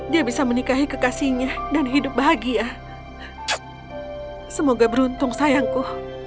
dia bisa menikahi kekasihnya dan hidup bahagia semoga beruntung sayangku